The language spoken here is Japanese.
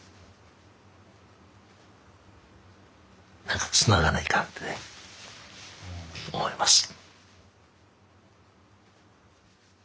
何かつながないかんってね思います。